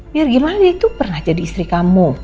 biar bagaimana dia itu pernah jadi istri kamu